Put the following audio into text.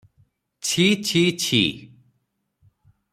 ଛି, ଛି, ଛି!